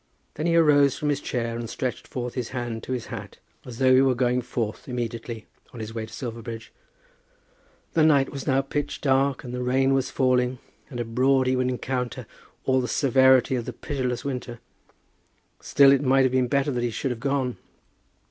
Then he arose from his chair and stretched forth his hand to his hat as though he were going forth immediately, on his way to Silverbridge. The night was now pitch dark, and the rain was falling, and abroad he would encounter all the severity of the pitiless winter. Still it might have been better that he should have gone.